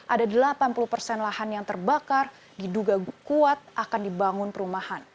ada delapan puluh persen lahan yang terbakar diduga kuat akan dibangun perumahan